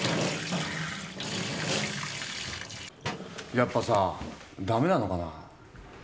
やっぱさダメなのかな？